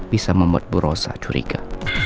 bisa membuat burosa curiga